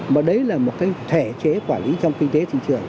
mà đấy là một cái thể chế quản lý trong kinh tế thị trường